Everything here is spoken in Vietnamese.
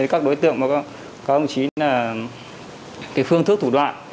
các đối tượng có ông chí là cái phương thức thủ đoạn